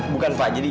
bukan pak jadi